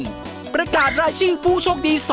ดับอาการชอบผิว